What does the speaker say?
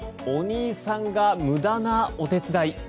お兄さんが無駄なお手伝い。